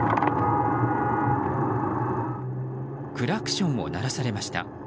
クラクションを鳴らされました。